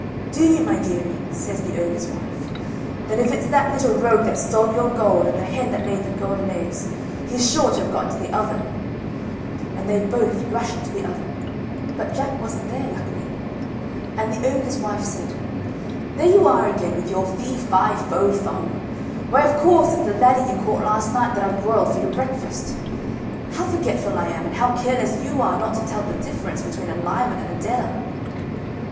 "Do you, my dearie?" says the ogre's wife. "Then if it's that little rogue that stole your gold and the hen that laid the golden eggs he's sure to have got into the oven." And they both rushed to the oven. But Jack wasn't there, luckily, and the ogre's wife said: "There you are again with your fee fi fo fum. Why of course it's the laddie you caught last night that I've broiled for your breakfast. How forgetful I am, and how careless you are not to tell the difference between a live un and a dead un."